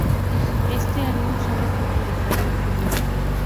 Este álbum sólo fue publicado en Finlandia.